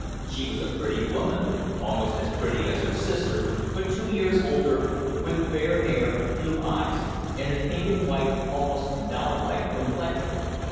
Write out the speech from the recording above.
She was a pretty woman, almost as pretty as her sister, but two years older, with fair hair, blue eyes, and a pink and white, almost doll like complexion.